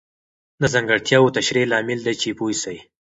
د ځانګړتیاوو تشریح لامل دی چې پوه سئ.